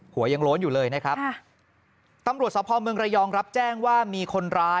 หัวยังโล้นอยู่เลยนะครับตำรวจสภเมืองระยองรับแจ้งว่ามีคนร้าย